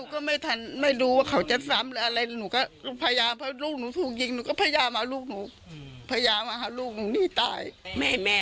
คนแก่ตรงรถตาย